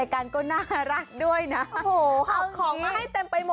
อย่าเพิ่งขึ้นเพราะว่าที่นี่ของของก็อร่อย